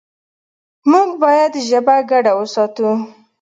موږ باید ژبه ګډه وساتو.